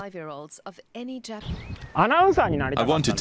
tôi muốn trở thành một người trẻ